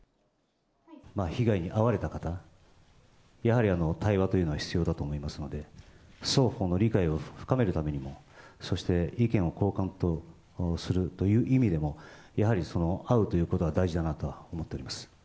被害に遭われた方、やはり対話というのは必要だと思いますので、双方の理解を深めるためにも、そして意見を交換するという意味でも、やはり会うということは大事だなとは思っております。